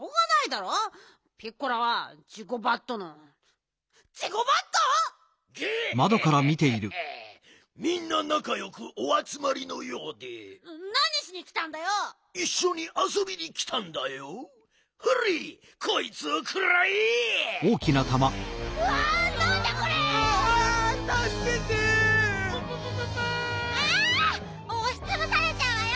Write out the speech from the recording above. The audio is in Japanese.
あっおしつぶされちゃうわよ！